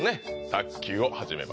卓球を始めます